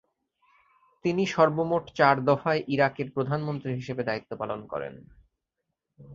তিনি সর্বমোট চার দফায় ইরাকের প্রধানমন্ত্রী হিসেবে দায়িত্ব পালন করেন।